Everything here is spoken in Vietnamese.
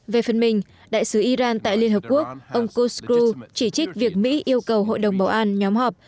về phần mình đại sứ iran tại liên hợp quốc ông koskru chỉ trích việc mỹ yêu cầu hội đồng bảo an nhóm họp